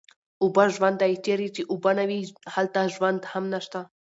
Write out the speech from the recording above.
اوبه ژوند دی، چېرې چې اوبه نه وي هلته ژوند هم نشته